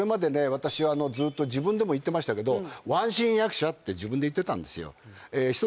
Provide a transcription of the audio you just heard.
私はずっと自分でも言ってましたけどって自分で言ってたんですよ